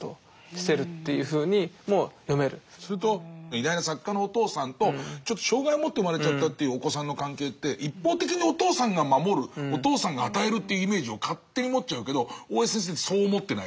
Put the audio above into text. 偉大な作家のお父さんとちょっと障害を持って生まれちゃったというお子さんの関係って一方的にお父さんが守るお父さんが与えるっていうイメージを勝手に持っちゃうけど大江先生ってそう思ってない。